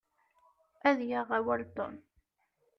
Ad yaɣ awal Tom.